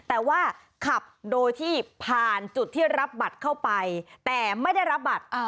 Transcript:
แต่ว่าขับโดยที่ผ่านจุดที่รับบัตรเข้าไปแต่ไม่ได้รับบัตร